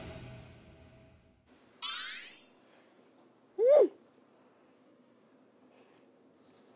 うん！